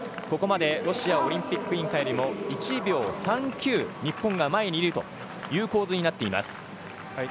ここまでロシアオリンピック委員会よりも１秒３９、日本が前にいるという構図になっています。